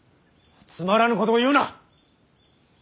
つまらぬことを言うな。